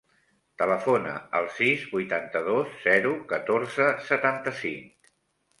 Telefona al sis, vuitanta-dos, zero, catorze, setanta-cinc.